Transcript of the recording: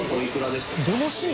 どのシーン？